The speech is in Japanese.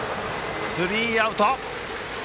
スリーアウト。